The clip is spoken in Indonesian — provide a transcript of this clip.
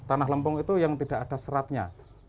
tanah lempung itu yang tidak ada seratnya